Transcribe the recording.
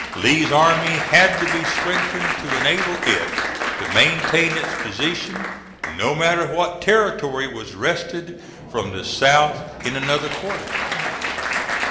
Lee's army had to be strengthened to enable it to maintain its position, no matter what territory was wrested from the South in another quarter.